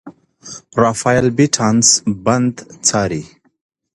رافایل بیټانس بند څاري.